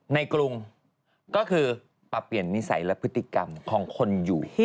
กรุงก็คือปรับเปลี่ยนนิสัยและพฤติกรรมของคนอยู่